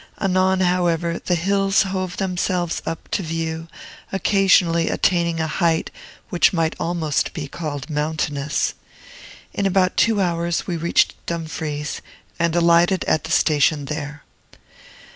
Anon, however, the hills hove themselves up to view, occasionally attaining a height which might almost be called mountainous. In about two hours we reached Dumfries, and alighted at the station there.